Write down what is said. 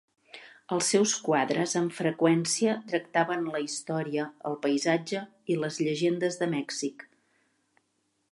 Els seus quadres, amb freqüència, tractaven la història, el paisatge i les llegendes de Mèxic.